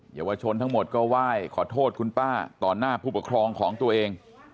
เยาวชนทั้งหมดก็ไหว้ขอโทษคุณป้าต่อหน้าผู้ปกครองของตัวเอง